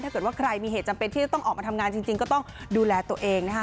ถ้าเกิดว่าใครมีเหตุจำเป็นที่จะต้องออกมาทำงานจริงก็ต้องดูแลตัวเองนะคะ